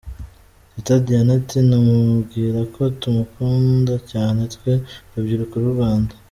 Teta Diana ati, namubwira ko tumukunda cyane, twe urubyiruko rw'u Rwanda.